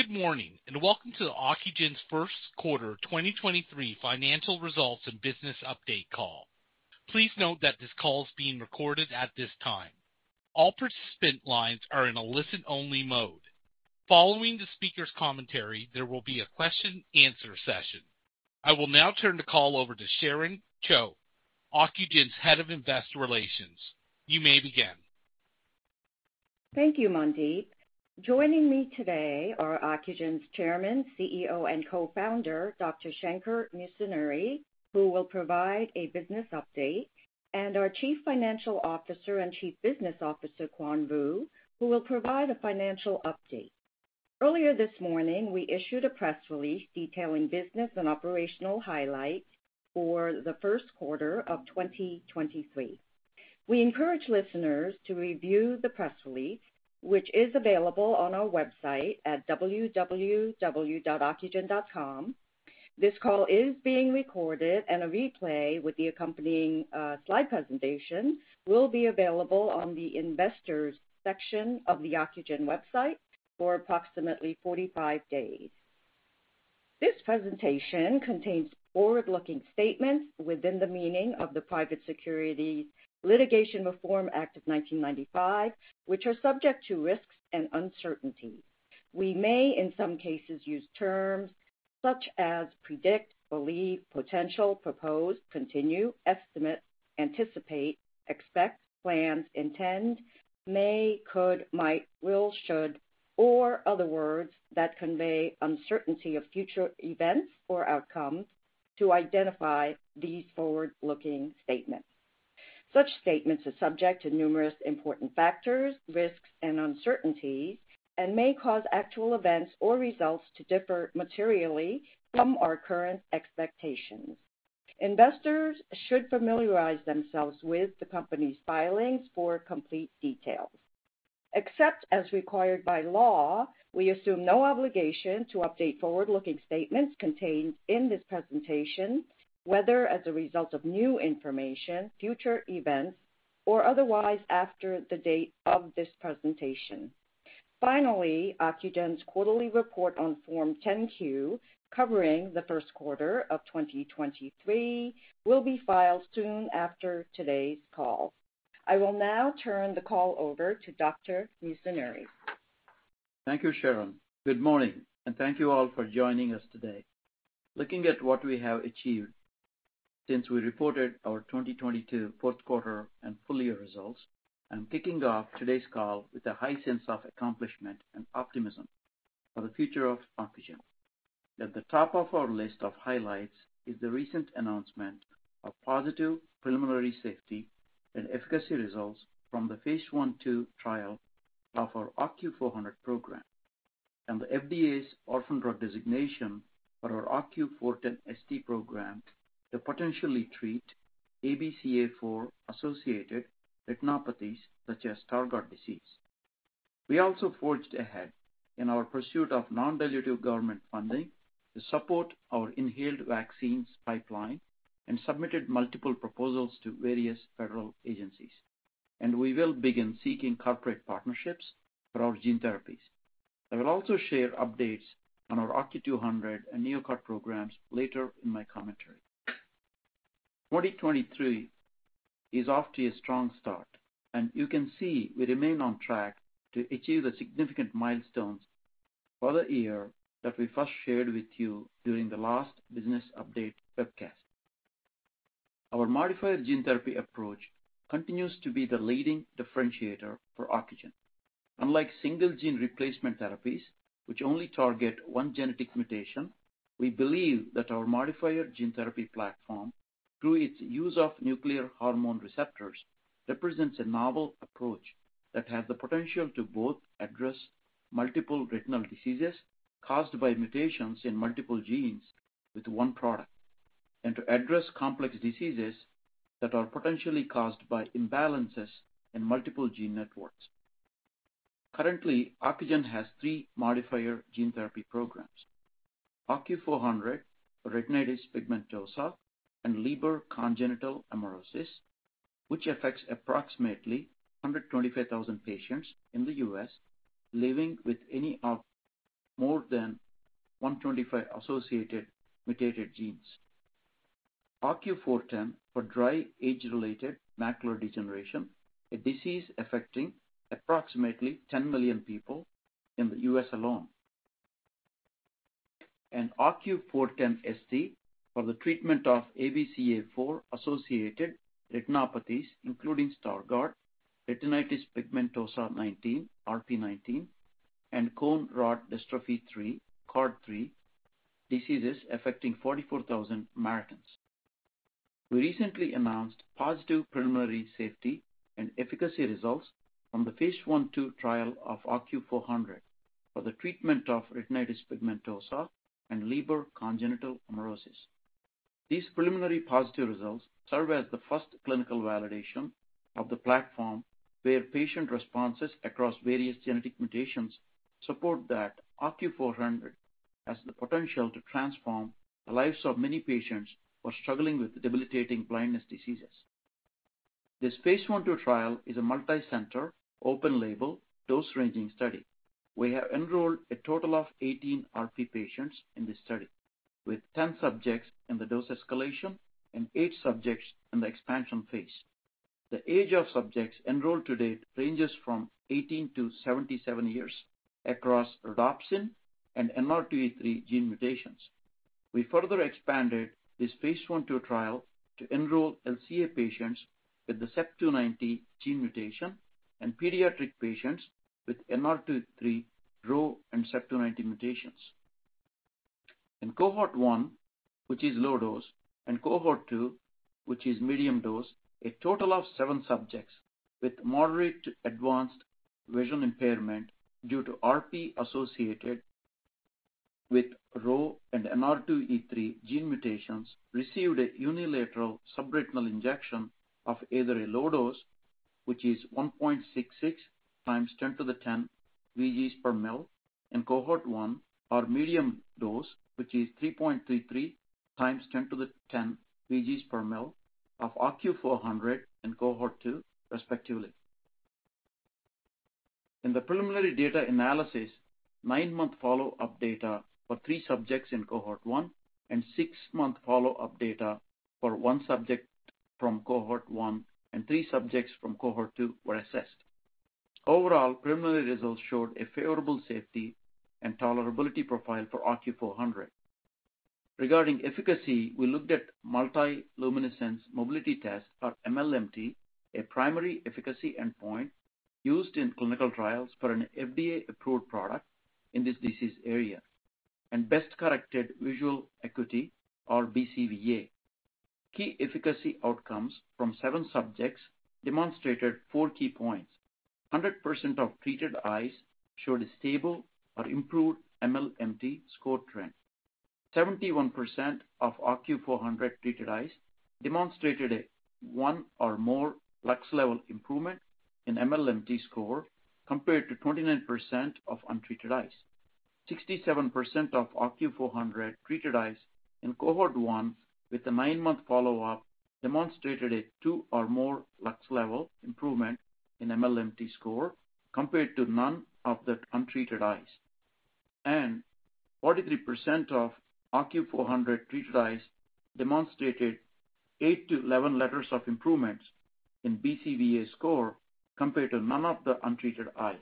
Good morning, welcome to Ocugen's first quarter 2023 financial results and business update call. Please note that this call is being recorded at this time. All participant lines are in a listen-only mode. Following the speaker's commentary, there will be a question & answer session. I will now turn the call over to Sharon Choe, Ocugen's Head of Investor Relations. You may begin. Thank you, Mandeep. Joining me today are Ocugen's Chairman, CEO and Co-Founder, Dr. Shankar Musunuri, who will provide a business update, and our Chief Financial Officer and Chief Business Officer, Quan Vu, who will provide a financial update. Earlier this morning, we issued a press release detailing business and operational highlights for the first quarter of 2023. We encourage listeners to review the press release, which is available on our website at www.ocugen.com. This call is being recorded, and a replay with the accompanying slide presentation will be available on the investors section of the Ocugen website for approximately 45 days. This presentation contains forward-looking statements within the meaning of the Private Securities Litigation Reform Act of 1995, which are subject to risks and uncertainties. We may, in some cases, use terms such as predict, believe, potential, propose, continue, estimate, anticipate, expect, plans, intend, may, could, might, will, should, or other words that convey uncertainty of future events or outcomes to identify these forward-looking statements. Such statements are subject to numerous important factors, risks and uncertainties and may cause actual events or results to differ materially from our current expectations. Investors should familiarize themselves with the company's filings for complete details. Except as required by law, we assume no obligation to update forward-looking statements contained in this presentation, whether as a result of new information, future events, or otherwise after the date of this presentation. Finally, Ocugen's quarterly report on Form 10-Q covering the first quarter of 2023 will be filed soon after today's call. I will now turn the call over to Dr. Musunuri. Thank you, Sharon. Good morning. Thank you all for joining us today. Looking at what we have achieved since we reported our 2022 fourth quarter and full year results, I'm kicking off today's call with a high sense of accomplishment and optimism for the future of Ocugen. At the top of our list of highlights is the recent announcement of positive preliminary safety and efficacy results from the phase I/II trial of our OCU400 program and the FDA's Orphan Drug Designation for our OCU410ST program to potentially treat ABCA4-associated retinopathies such as Stargardt disease. We also forged ahead in our pursuit of non-dilutive government funding to support our inhaled vaccines pipeline and submitted multiple proposals to various federal agencies. We will begin seeking corporate partnerships for our gene therapies. I will also share updates on our OCU200 and NeoCart programs later in my commentary. 2023 is off to a strong start. You can see we remain on track to achieve the significant milestones for the year that we first shared with you during the last business update webcast. Our modifier gene therapy approach continues to be the leading differentiator for Ocugen. Unlike single gene replacement therapies which only target one genetic mutation, we believe that our modifier gene therapy platform, through its use of nuclear hormone receptors, represents a novel approach that has the potential to both address multiple retinal diseases caused by mutations in multiple genes with one product, and to address complex diseases that are potentially caused by imbalances in multiple gene networks. Currently, Ocugen has three modifier gene therapy programs. OCU400 for retinitis pigmentosa and Leber congenital amaurosis, which affects approximately 125,000 patients in the U.S. living with any of more than 125 associated mutated genes. OCU410 for dry age-related macular degeneration, a disease affecting approximately 10 million people in the U.S. alone. OCU410ST for the treatment of ABCA4-associated retinopathies, including Stargardt, retinitis pigmentosa 19, RP19, and Cone-Rod Dystrophy 3, CORD3, diseases affecting 44,000 Americans. We recently announced positive preliminary safety and efficacy results from the phase I/II trial of OCU400 for the treatment of retinitis pigmentosa and Leber congenital amaurosis. These preliminary positive results serve as the first clinical validation of the platform, where patient responses across various genetic mutations support that OCU400 has the potential to transform the lives of many patients who are struggling with debilitating blindness diseases. This phase I/II trial is a multicenter open-label dose-ranging study. We have enrolled a total of 18 RP patients in this study, with 10 subjects in the dose escalation and eight subjects in the expansion phase. The age of subjects enrolled to date ranges from 18 to 77 years across RHO and NR2E3 gene mutations. We further expanded this phase I/II trial to enroll LCA patients with the CEP290 gene mutation and pediatric patients with NR2E3 RHO and CEP290 mutations. In Cohort 1, which is low dose, and Cohort 2, which is medium dose, a total of seven subjects with moderate to advanced vision impairment due to RP associated with RHO and NR2E3 gene mutations received a unilateral subretinal injection of either a low dose, which is 1.66 x 1010 vg/mL in Cohort 1, or medium dose, which is 3.33 x 1010 vg/mL of OCU400 in Cohort 2, respectively. In the preliminary data analysis, nine-month follow-up data for three subjects in Cohort 1 and six-month follow-up data for one subject from Cohort 1 and three subjects from Cohort 2 were assessed. Overall, preliminary results showed a favorable safety and tolerability profile for OCU400. Regarding efficacy, we looked at multi-luminance mobility test, or MLMT, a primary efficacy endpoint used in clinical trials for an FDA-approved product in this disease area, and best-corrected visual acuity, or BCVA. Key efficacy outcomes from seven subjects demonstrated four key points. 100% of treated eyes showed a stable or improved MLMT score trend. 71% of OCU400 treated eyes demonstrated a one or more luxe level improvement in MLMT score compared to 29% of untreated eyes. 67% of OCU400 treated eyes in Cohort 1 with a nine-month follow-up demonstrated a two or more luxe level improvement in MLMT score compared to none of the untreated eyes. 43% of OCU400 treated eyes demonstrated 8-11 letters of improvements in BCVA score compared to none of the untreated eyes.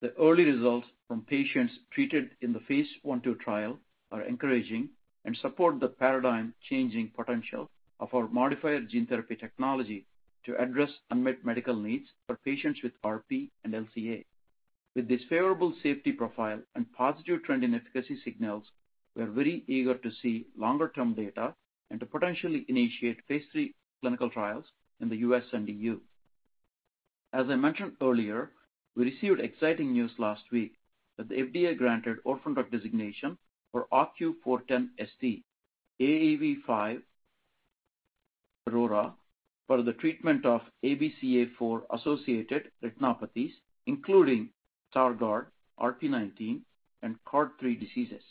The early results from patients treated in the phase I/II trial are encouraging and support the paradigm-changing potential of our modifier gene therapy technology to address unmet medical needs for patients with RP and LCA. With this favorable safety profile and positive trend in efficacy signals, we are very eager to see longer-term data and to potentially initiate phase III clinical trials in the U.S. and EU As I mentioned earlier, we received exciting news last week that the FDA granted Orphan Drug Designation for OCU410ST, AAV5-RORA, for the treatment of ABCA4-associated retinopathies, including Stargardt, RP19, and CORD3 diseases.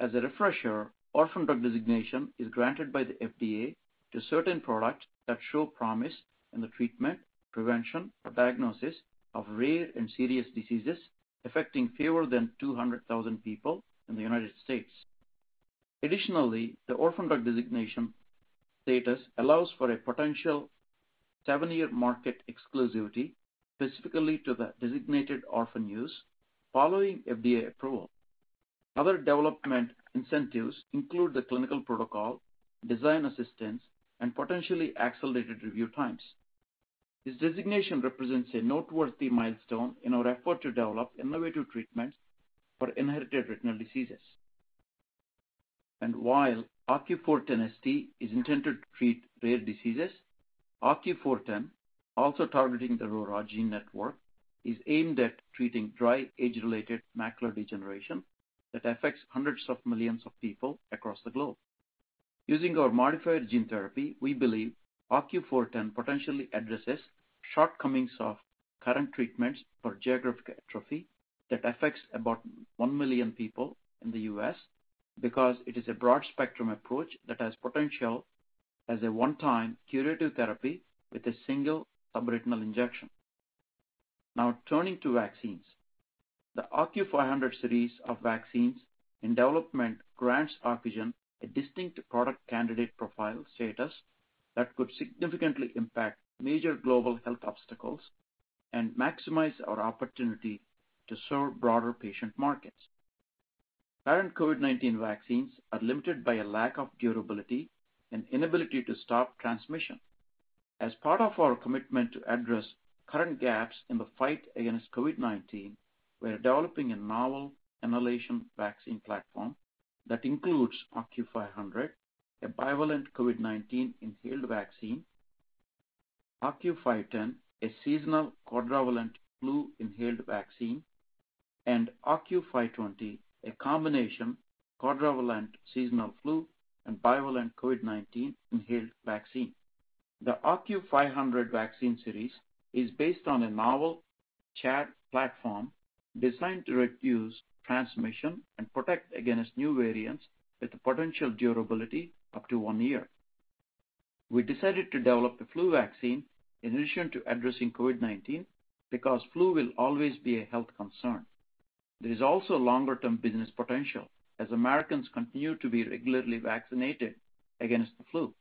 As a refresher, Orphan Drug Designation is granted by the FDA to certain products that show promise in the treatment, prevention, or diagnosis of rare and serious diseases affecting fewer than 200,000 people in the United States. Additionally, the Orphan Drug Designation status allows for a potential seven-year market exclusivity specifically to the designated orphan use following FDA approval. Other development incentives include the clinical protocol, design assistance, and potentially accelerated review times. This designation represents a noteworthy milestone in our effort to develop innovative treatments for inherited retinal diseases. While OCU410ST is intended to treat rare diseases, OCU410, also targeting the RORA gene network, is aimed at treating dry age-related macular degeneration that affects hundreds of millions of people across the globe. Using our modifier gene therapy, we believe OCU410 potentially addresses shortcomings of current treatments for geographic atrophy that affects about one million people in the U.S. because it is a broad-spectrum approach that has potential as a one-time curative therapy with a single subretinal injection. Now, turning to vaccines. The OCU500 series of vaccines in development grants Ocugen a distinct product candidate profile status that could significantly impact major global health obstacles and maximize our opportunity to serve broader patient markets. Current COVID-19 vaccines are limited by a lack of durability and inability to stop transmission. As part of our commitment to address current gaps in the fight against COVID-19, we are developing a novel inhalation vaccine platform that includes OCU500, a bivalent COVID-19 inhaled vaccine, OCU510, a seasonal quadrivalent flu inhaled vaccine, and OCU520, a combination quadrivalent seasonal flu and bivalent COVID-19 inhaled vaccine. The OCU500 vaccine series is based on a novel ChAd platform designed to reduce transmission and protect against new variants with the potential durability up to one year. We decided to develop the flu vaccine in addition to addressing COVID-19 because flu will always be a health concern. There is also longer-term business potential as Americans continue to be regularly vaccinated against the flu.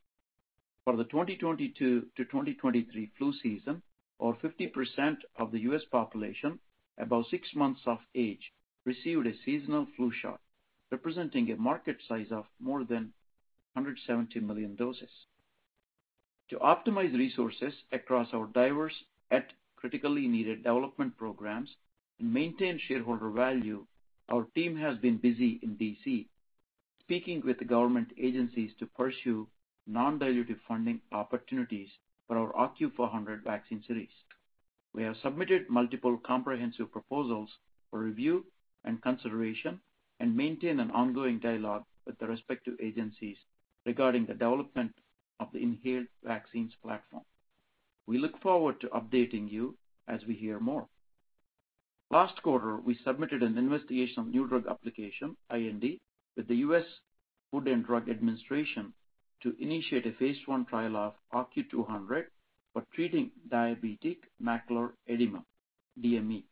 For the 2022 to 2023 flu season, over 50% of the U.S. population above six months of age received a seasonal flu shot, representing a market size of more than 170 million doses. To optimize resources across our diverse yet critically needed development programs and maintain shareholder value, our team has been busy in D.C. speaking with the government agencies to pursue non-dilutive funding opportunities for our OCU400 vaccine series. We have submitted multiple comprehensive proposals for review and consideration and maintain an ongoing dialogue with the respective agencies regarding the development of the inhaled vaccines platform. We look forward to updating you as we hear more. Last quarter, we submitted an investigation of new drug application, IND, with the U.S. Food and Drug Administration to initiate a phase I trial of OCU200 for treating diabetic macular edema, DME.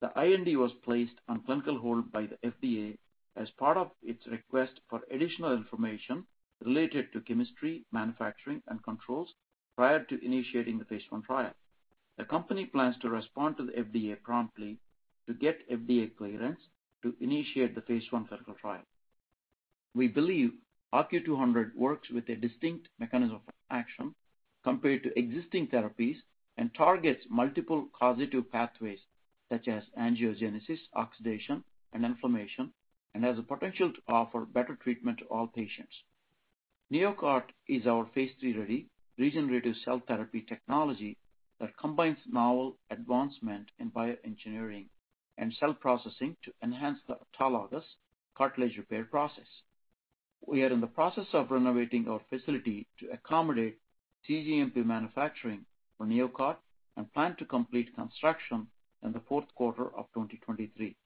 The IND was placed on clinical hold by the FDA as part of its request for additional information related to chemistry, manufacturing, and controls prior to initiating the phase I trial. The company plans to respond to the FDA promptly to get FDA clearance to initiate the phase I clinical trial. We believe OCU200 works with a distinct mechanism of action compared to existing therapies and targets multiple causative pathways such as angiogenesis, oxidation, and inflammation, and has the potential to offer better treatment to all patients. NeoCart is our phase III-ready regenerative cell therapy technology that combines novel advancement in bioengineering and cell processing to enhance the autologous cartilage repair process. We are in the process of renovating our facility to accommodate cGMP manufacturing for NeoCart and plan to complete construction in the fourth quarter of 2023,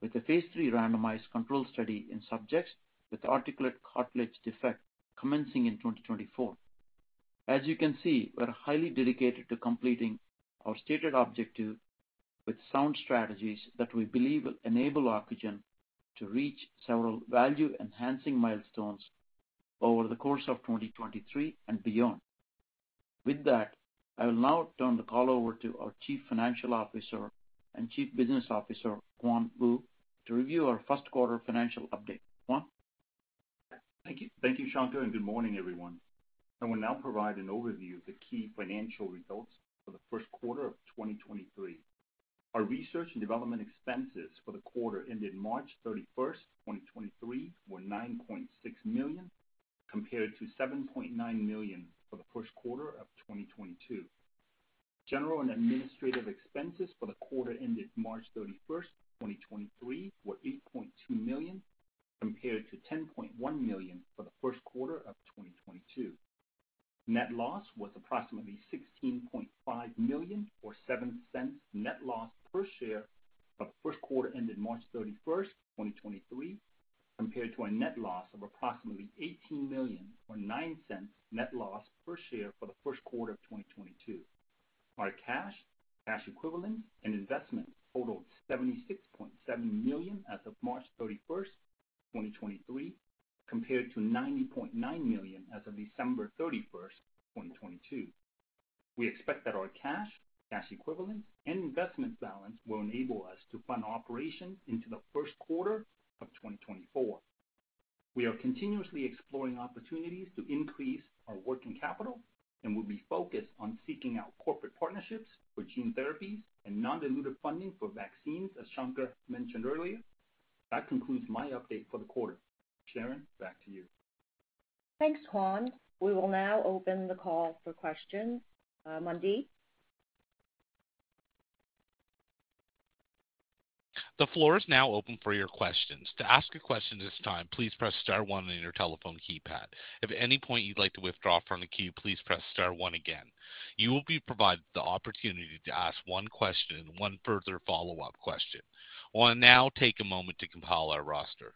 with a phase III randomized control study in subjects with articular cartilage defect commencing in 2024. As you can see, we're highly dedicated to completing our stated objective with sound strategies that we believe will enable Ocugen to reach several value-enhancing milestones over the course of 2023 and beyond. With that, I will now turn the call over to our Chief Financial Officer and Chief Business Officer, Quan Vu, to review our first quarter financial update. Quan? Thank you. Thank you, Shankar. Good morning, everyone. I will now provide an overview of the key financial results for the first quarter of 2023. Our research and development expenses for the quarter ended March 31st, 2023 were $9.6 million, compared to $7.9 million for the first quarter of 2022. General and administrative expenses for the quarter ended March 31st, 2023 were $8.2 million, compared to $10.1 million for the first quarter of 2022. Net loss was approximately $16.5 million or $0.07 net loss per share of first quarter ended March 31st, 2023, compared to a net loss of approximately $18 million or $0.09 net loss per share for the first quarter of 2022. Our cash equivalents, and investments totaled $76.7 million as of March 31, 2023, compared to $90.9 million as of December 31, 2022. We expect that our cash equivalents, and investments balance will enable us to fund operations into the first quarter of 2024. We are continuously exploring opportunities to increase our working capital and will be focused on seeking out corporate partnerships for gene therapies and non-dilutive funding for vaccines, as Shankar mentioned earlier. That concludes my update for the quarter. Sharon, back to you. Thanks, Quan. We will now open the call for questions. Mandeep? The floor is now open for your questions. To ask a question at this time, please press star one on your telephone keypad. If at any point you'd like to withdraw from the queue, please press star one again. You will be provided the opportunity to ask one question and one further follow-up question. I wanna now take a moment to compile our roster.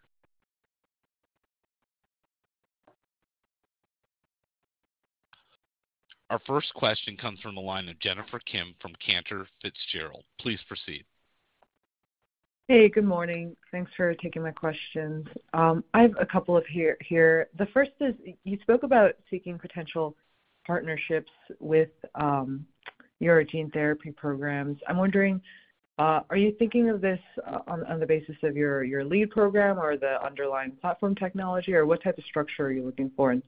Our first question comes from the line of Jennifer Kim from Cantor Fitzgerald. Please proceed. Hey, good morning. Thanks for taking my questions. I have a couple of here. The first is, you spoke about seeking potential partnerships with your gene therapy programs. I'm wondering, are you thinking of this on the basis of your lead program or the underlying platform technology? Or what type of structure are you looking for? And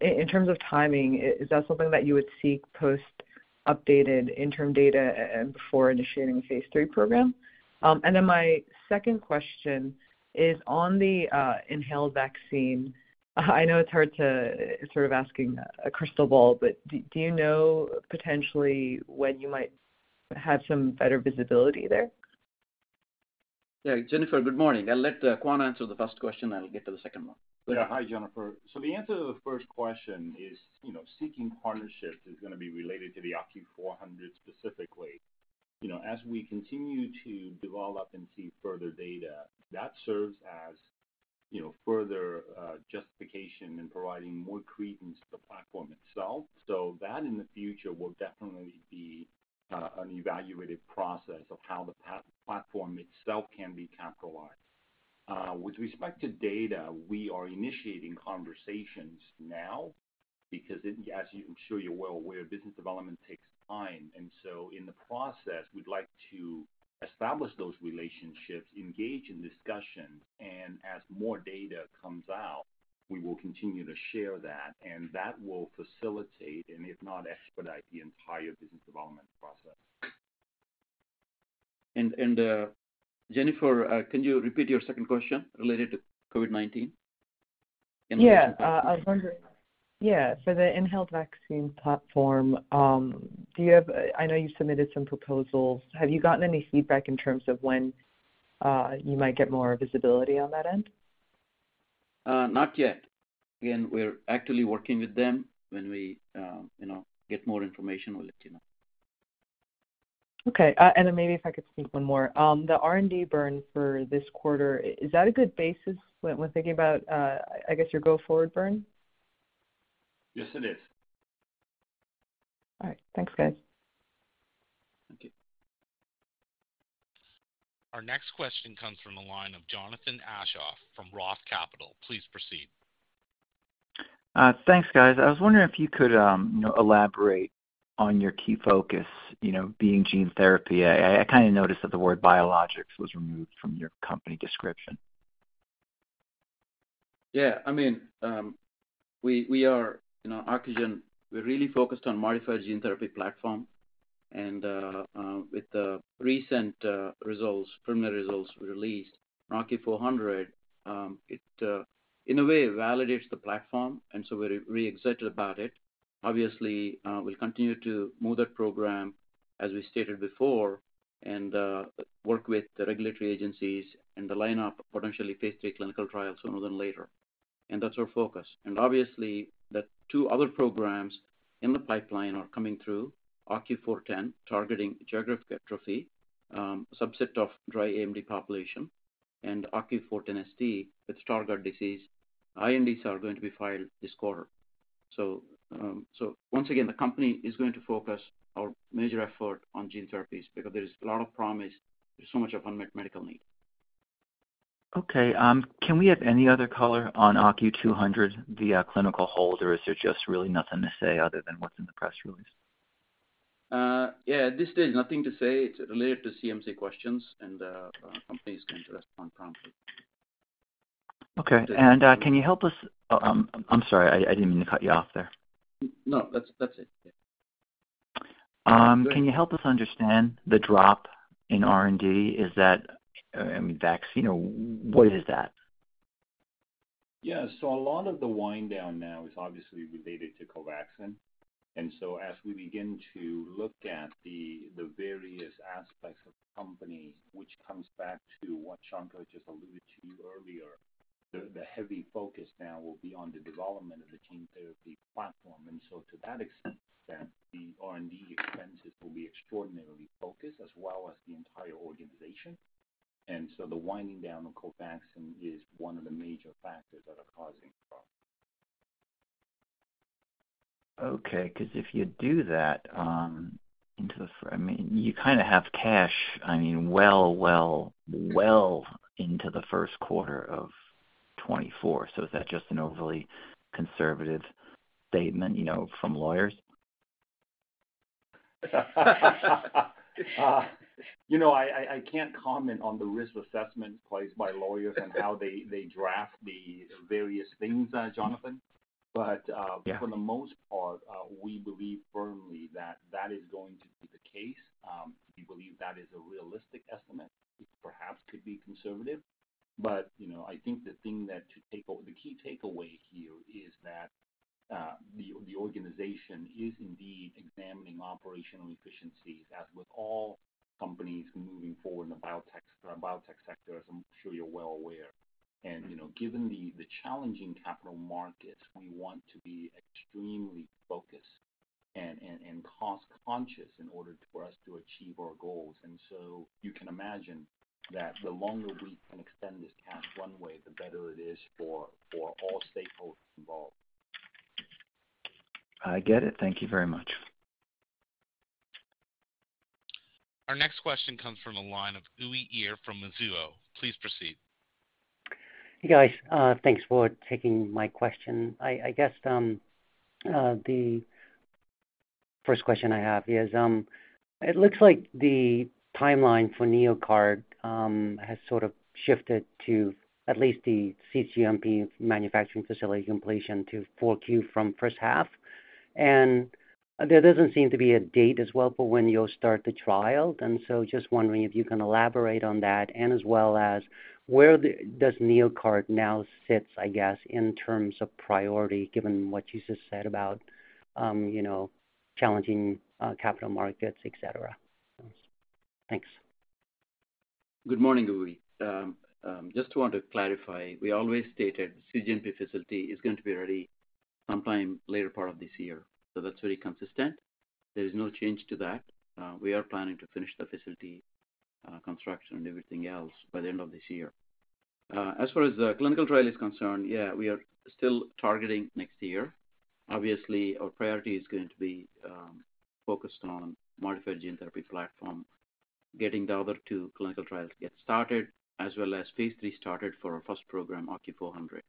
in terms of timing, is that something that you would seek post-updated interim data and before initiating the phase III program? And then my second question is on the inhaled vaccine. I know it's hard to sort of asking a crystal ball, but do you know potentially when you might have some better visibility there? Yeah, Jennifer, good morning. I'll let Quan answer the first question. I'll get to the second one. Yeah. Hi, Jennifer. The answer to the first question is, you know, seeking partnerships is gonna be related to the OCU400 specifically. You know, as we continue to develop and see further data, that serves as, you know, further justification in providing more credence to the platform itself. That in the future will definitely be an evaluative process of how the platform itself can be capitalized. With respect to data, we are initiating conversations now because as I'm sure you're well aware, business development takes time. In the process, we'd like to establish those relationships, engage in discussion, and as more data comes out, we will continue to share that, and that will facilitate, and if not expedite, the entire business development process. Jennifer, can you repeat your second question related to COVID-19? Yeah. I was wondering. Yeah, for the inhaled vaccine platform, I know you submitted some proposals. Have you gotten any feedback in terms of when you might get more visibility on that end? Not yet. Again, we're actively working with them. When we, you know, get more information, we'll let you know. Okay. maybe if I could sneak one more. The R&D burn for this quarter, is that a good basis when thinking about, I guess your go forward burn? Yes, it is. All right. Thanks, guys. Thank you. Our next question comes from the line of Jonathan Aschoff from ROTH Capital. Please proceed. thanks, guys. I was wondering if you could, you know, elaborate on your key focus, you know, being gene therapy. I kind of noticed that the word biologics was removed from your company description. Yeah. I mean, we are, you know, Ocugen, we're really focused on modifier gene therapy platform. With the recent results, preliminary results we released, OCU400, it in a way validates the platform, we're really excited about it. Obviously, we'll continue to move that program as we stated before, work with the regulatory agencies and the lineup potentially phase III clinical trials sooner than later, that's our focus. Obviously, the two other programs in the pipeline are coming through OCU410 targeting geographic atrophy, subset of dry AMD population, and OCU410ST with Stargardt disease. INDs are going to be filed this quarter. Once again, the company is going to focus our major effort on gene therapies because there is a lot of promise. There's so much unmet medical need. Can we have any other color on OCU200 via clinical hold, or is there just really nothing to say other than what's in the press release? Yeah, at this stage, nothing to say. It's related to CMC questions. Our company is going to respond promptly. Okay. can you help us... Oh, I'm sorry. I didn't mean to cut you off there. No, that's it. Yeah. Can you help us understand the drop in R&D? Is that, I mean, you know, what is that? Yeah. A lot of the wind down now is obviously related to COVAXIN. As we begin to look at the various aspects of the company, which comes back to what Shankar just alluded to you earlier, the heavy focus now will be on the development of the gene therapy platform. To that extent, the R&D expenses will be extraordinarily focused, as well as the entire organization. The winding down of COVAXIN is one of the major factors that are causing drop. Okay. 'Cause if you do that, I mean, you kinda have cash, I mean, well into the first quarter of 2024. Is that just an overly conservative statement, you know, from lawyers? You know, I can't comment on the risk assessment placed by lawyers and how they draft the various things, Jonathan. Yeah. For the most part, we believe firmly that that is going to be the case. We believe that is a realistic estimate. It perhaps could be conservative, but, you know, I think the thing that to take away... the key takeaway here is that the organization is indeed examining operational efficiencies, as with all companies moving forward in the biotech sector, as I'm sure you're well aware. You know, given the challenging capital markets, we want to be extremely focused and cost-conscious in order for us to achieve our goals. You can imagine that the longer we can extend this cash runway, the better it is for all stakeholders involved. I get it. Thank you very much. Our next question comes from the line of Uy Ear from Mizuho. Please proceed. Hey, guys. Thanks for taking my question. I guess, the first question I have is, it looks like the timeline for NeoCart has sort of shifted to at least the cGMP manufacturing facility completion to 4Q from first half. There doesn't seem to be a date as well for when you'll start the trial. Just wondering if you can elaborate on that, and as well as where NeoCart now sits, I guess, in terms of priority, given what you just said about, you know, challenging capital markets, et cetera. Thanks. Good morning, Uy. Just want to clarify, we always stated cGMP facility is going to be ready sometime later part of this year. That's very consistent. There is no change to that. We are planning to finish the facility, construction and everything else by the end of this year. As far as the clinical trial is concerned, yeah, we are still targeting next year. Obviously, our priority is going to be focused on modifier gene therapy platform, getting the other two clinical trials get started, as well as phase III started for our first program, OCU400.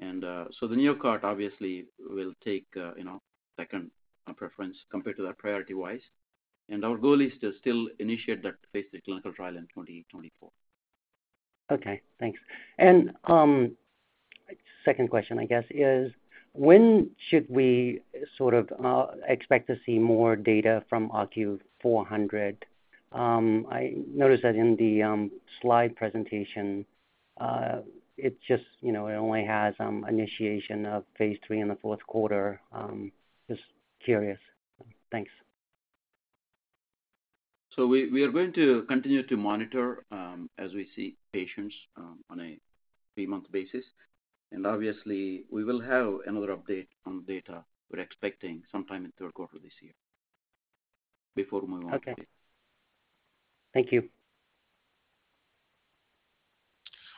The NeoCart obviously will take, you know, second preference compared to that priority-wise. Our goal is to still initiate that phase III clinical trial in 2024. Okay, thanks. Second question, I guess, is when should we sort of, expect to see more data from OCU400? I noticed that in the slide presentation, it just, you know, it only has, initiation of phase III in the fourth quarter. Just curious. Thanks. We are going to continue to monitor, as we see patients, on a three-month basis. Obviously, we will have another update on data we're expecting sometime in third quarter this year before we move on. Okay. Thank you.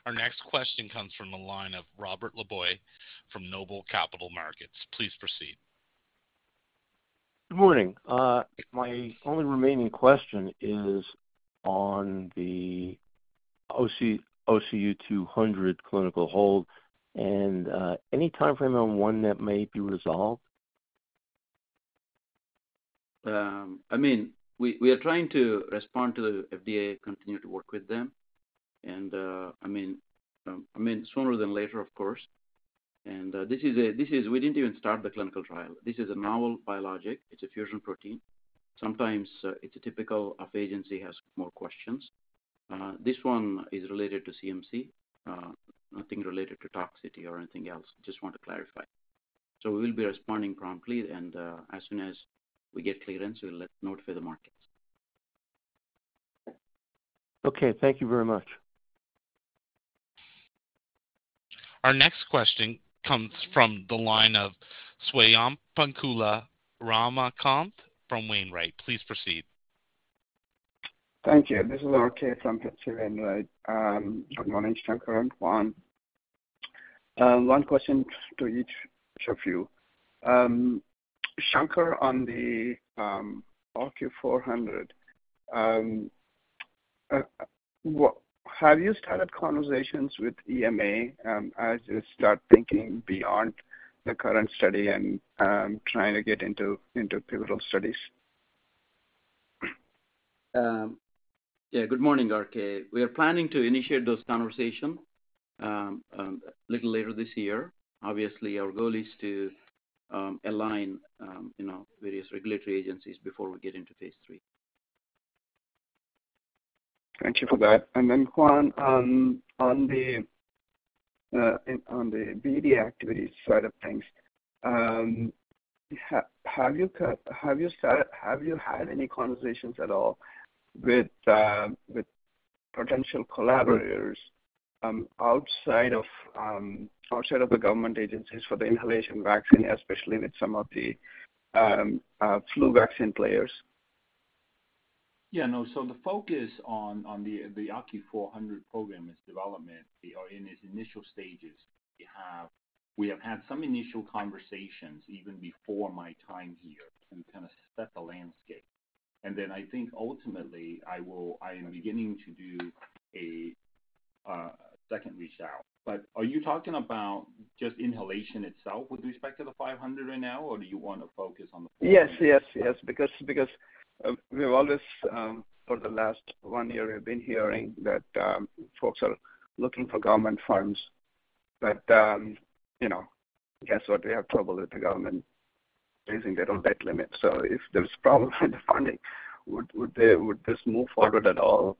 Our next question comes from the line of Robert LeBoyer from Noble Capital Markets. Please proceed. Good morning. My only remaining question is on the OCU200 clinical hold and any timeframe on when that may be resolved? I mean, we are trying to respond to the FDA, continue to work with them. I mean, sooner than later, of course. This is. We didn't even start the clinical trial. This is a novel biologic. It's a fusion protein. Sometimes, it's typical of agency has more questions. This one is related to CMC, nothing related to toxicity or anything else. Just want to clarify. We will be responding promptly, and as soon as we get clearance, we'll notify the markets. Okay. Thank you very much. Our next question comes from the line of Swayampakula Ramakanth from Wainwright. Please proceed. Thank you. This is R.K. from Wainwright. Good morning, Shankar and Quan. One question to each of you. Shankar, on the OCU400, have you started conversations with EMA, as you start thinking beyond the current study and trying to get into pivotal studies? Yeah. Good morning, R.K. We are planning to initiate those conversation little later this year. Obviously, our goal is to align, you know, various regulatory agencies before we get into phase III. Thank you for that. Then, Quan Vu, on the BD activity side of things, have you had any conversations at all with potential collaborators outside of the government agencies for the inhalation vaccine, especially with some of the flu vaccine players? No. The focus on the OCU400 program is development. We are in its initial stages. We have had some initial conversations even before my time here to kind of set the landscape. I think ultimately I am beginning to do a second reach out. Are you talking about just inhalation itself with respect to the OCU500 right now? Or do you wanna focus on the? Yes. Yes. Yes. We've always, for the last one year, we've been hearing that, folks are looking for government funds, but, you know, guess what? We have trouble with the government raising their own debt limit. If there's problems in the funding, would they, would this move forward at all.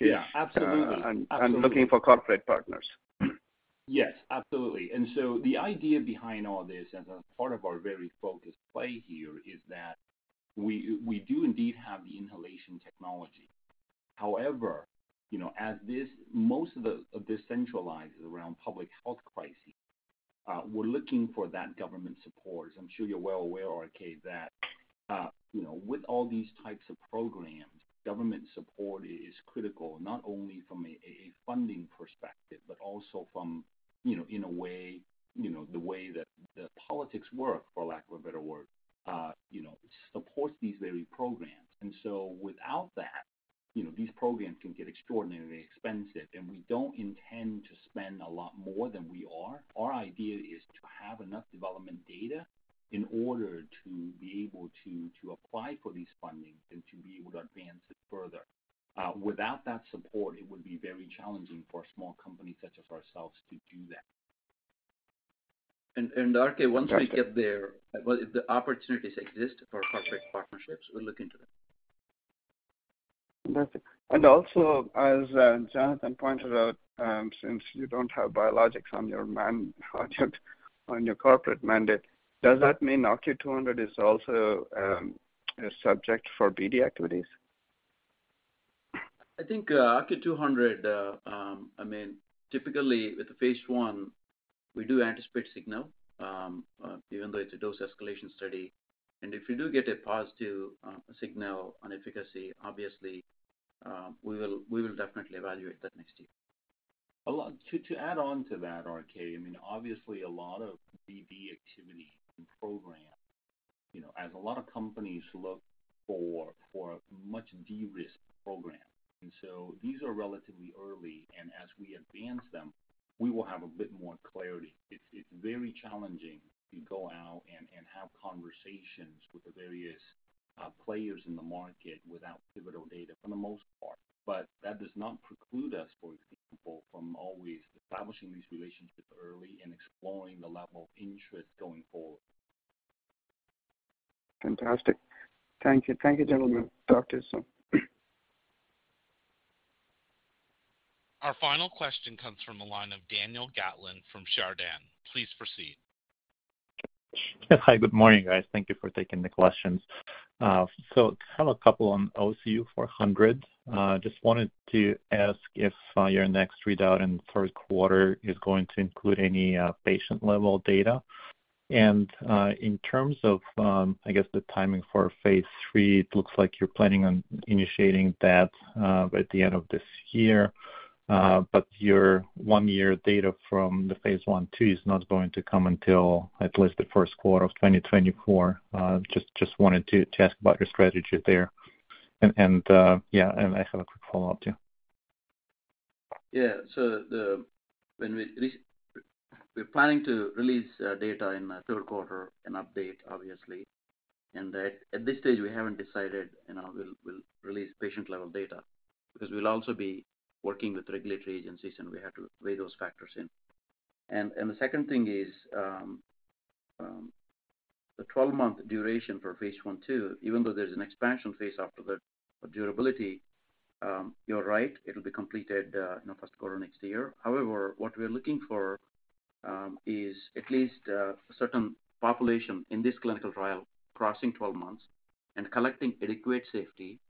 Yeah, absolutely. looking for corporate partners. Yes, absolutely. The idea behind all this, as a part of our very focused play here, is that we do indeed have the inhalation technology. However, you know, at this, most of the, of this centralizes around public health crisis, we're looking for that government support. I'm sure you're well aware, R.K., that, you know, with all these types of programs, government support is critical, not only from a funding perspective, but also from, you know, in a way, you know, the way that the politics work, for lack of a better word, you know, supports these very programs. Without that, you know, these programs can get extraordinarily expensive, and we don't intend to spend a lot more than we are. Our idea is to have enough development data in order to be able to apply for these fundings and to be able to advance it further. Without that support, it would be very challenging for a small company such as ourselves to do that. R.K., once we get there, well, if the opportunities exist for corporate partnerships, we'll look into that. As Jonathan pointed out, since you don't have biologics on your corporate mandate, does that mean OCU200 is also a subject for BD activities? I think, OCU200, I mean, typically with the phase I, we do anticipate signal, even though it's a dose escalation study. If we do get a positive signal on efficacy, obviously, we will definitely evaluate that next year. A lot. To add on to that, R.K., I mean, obviously a lot of BD activity and program, you know, as a lot of companies look for a much de-risked program. These are relatively early, and as we advance them, we will have a bit more clarity. It's very challenging to go out and have conversations with the various players in the market without pivotal data for the most part. That does not preclude us, for example, from always establishing these relationships early and exploring the level of interest going forward. Fantastic. Thank you. Thank you, gentlemen. Doctors. Our final question comes from the line of Daniil Gataulin from Chardan. Please proceed. Yes. Hi, good morning, guys. Thank you for taking the questions. I have a couple on OCU400. just wanted to ask if your next readout in the third quarter is going to include any patient level data? In terms of, I guess the timing for phase III, it looks like you're planning on initiating that by the end of this year. Your one-year data from the phase I/II is not going to come until at least the first quarter of 2024. just wanted to ask about your strategy there? I have a quick follow-up too. Yeah. When we're planning to release data in the third quarter and update, obviously. At this stage, we haven't decided, you know, we'll release patient-level data because we'll also be working with regulatory agencies, and we have to weigh those factors in. The second thing is, the 12-month duration for phase I/II, even though there's an expansion phase after the durability, you're right. It'll be completed in the first quarter next year. However, what we're looking for is at least a certain population in this clinical trial crossing 12 months and collecting adequate safety.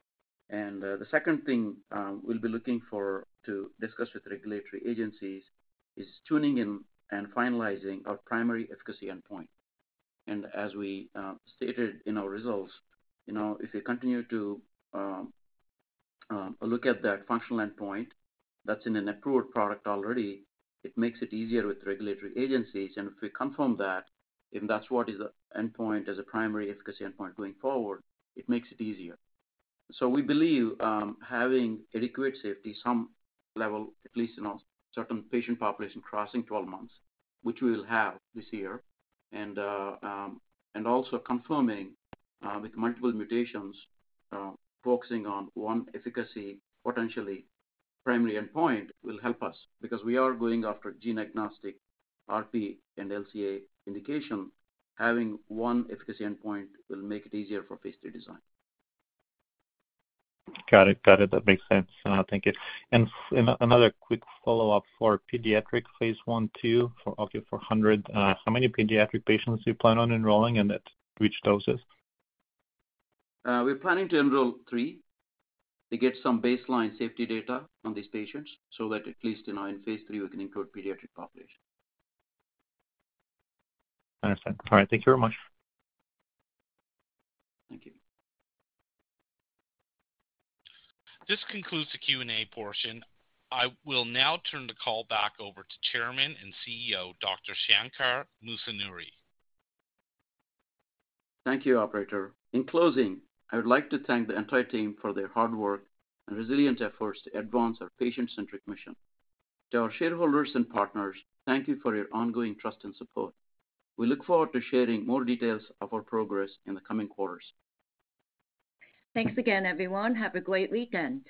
The second thing we'll be looking for to discuss with regulatory agencies is tuning in and finalizing our primary efficacy endpoint. As we stated in our results, you know, if we continue to look at that functional endpoint that's in an approved product already, it makes it easier with regulatory agencies. If we confirm that, if that's what is the endpoint as a primary efficacy endpoint going forward, it makes it easier. We believe having adequate safety, some level, at least in a certain patient population crossing 12 months, which we will have this year, and also confirming with multiple mutations, focusing on one efficacy, potentially primary endpoint will help us because we are going after gene-agnostic RP and LCA indication. Having one efficacy endpoint will make it easier for phase III design. Got it. Got it. That makes sense. Thank you. another quick follow-up for pediatric phase I/II for OCU400. How many pediatric patients do you plan on enrolling, and at which doses? we're planning to enroll three to get some baseline safety data on these patients so that at least, you know, in phase III, we can include pediatric population. I understand. All right. Thank you very much. Thank you. This concludes the Q&A portion. I will now turn the call back over to Chairman and CEO, Dr. Shankar Musunuri. Thank you, operator. In closing, I would like to thank the entire team for their hard work and resilient efforts to advance our patient-centric mission. To our shareholders and partners, thank you for your ongoing trust and support. We look forward to sharing more details of our progress in the coming quarters. Thanks again, everyone. Have a great weekend.